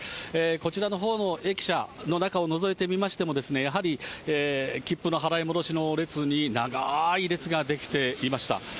こちらのほうの駅舎の中をのぞいてみましても、やはり切符の払い戻しの列に長ーい列が出来ていました。